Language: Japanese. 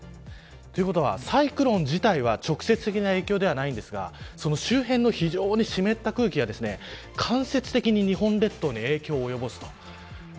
ということは、サイクロン自体は直接的な影響ではないんですがその周辺の非常に湿った空気が間接的に日本列島に影響を及ぼします。